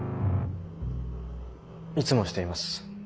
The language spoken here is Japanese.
いつもしています。